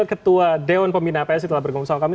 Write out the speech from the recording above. ketua dewan pembina psi telah bergabung sama kami